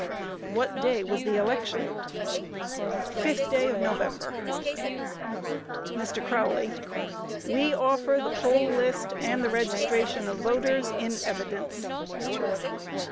Q. What day was the election? A. 5th day of November. MR. CROWLEY: We offer the poll list and the registration of voters in evidence.